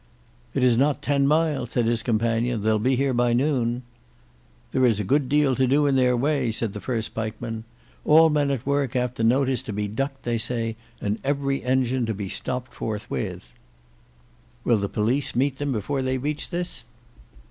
"It is not ten mile," said his companion. "They'll be here by noon." "There is a good deal to do in their way," said the first pikeman. "All men at work after notice to be ducked, they say, and every engine to be stopped forthwith." "Will the police meet them before they reach this?"